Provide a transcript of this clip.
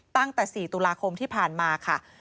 ตั้งแต่๔ตุลาคมที่ผ่านมาค่ะ